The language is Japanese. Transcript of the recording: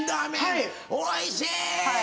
おいしーい！